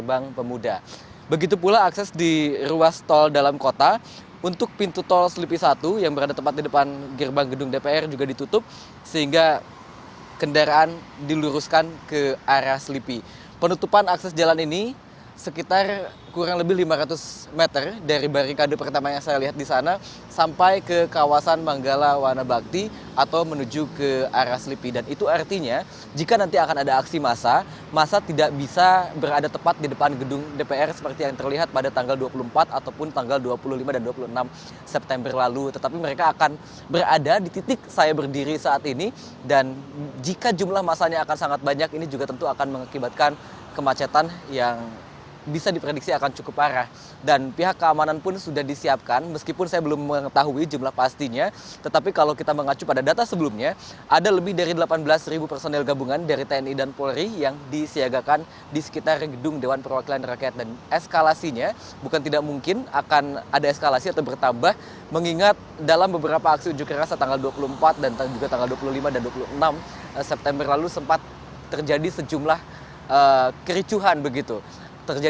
bagaimana situasi di sana saat ini apakah mahasiswa akan tetap menyampaikan aspirasi mereka